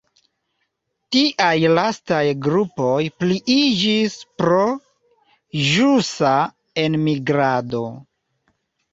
Tiaj lastaj grupoj pliiĝis pro ĵusa enmigrado.